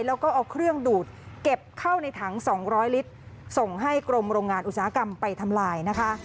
แล้วก็เอาเครื่องดูดเก็บเข้าในถัง๒๐๐ลิตรส่งให้กรมโรงงานอุตสาหกรรมไปทำลายนะคะ